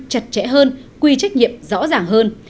chặt chẽ hơn quy trách nhiệm rõ ràng hơn